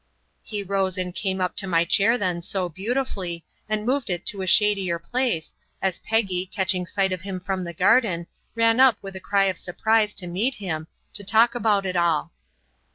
He rose and came up to my chair then so beautifully, and moved it to a shadier place, as Peggy, catching sight of him from the garden, ran up with a cry of surprise to meet him, to talk about it all.